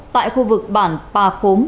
tại khu vực bản bà khống